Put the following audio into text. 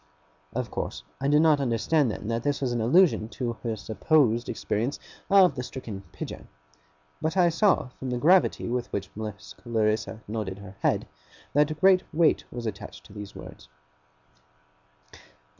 Of course I did not understand then that this was an allusion to her supposed experience of the stricken Pidger; but I saw, from the gravity with which Miss Clarissa nodded her head, that great weight was attached to these words.